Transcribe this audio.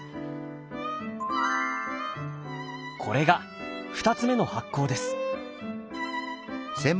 これが２つ目の発酵です。